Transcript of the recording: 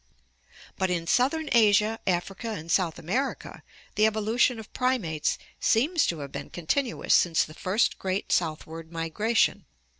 But in southern Asia, Africa, and South America the evolution of primates seems to have been continuous since the first great southward migration.